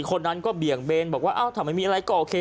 ๔คนนั้นก็เบี่ยงเบนแต่ว่าไม่มีอะไรก็โอเค